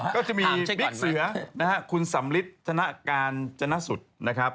ก็จะมีบิ๊กเสือคุณสำลิดชนะการชนะสุธนะครับ